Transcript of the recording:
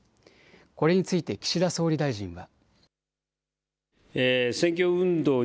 これについて岸田総理大臣は。